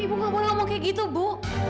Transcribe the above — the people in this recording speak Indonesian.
ibu kamu tidak boleh ngomong seperti itu bu